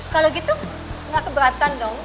kalau gitu nggak keberatan dong